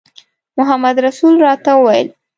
محمدرسول راته وویل.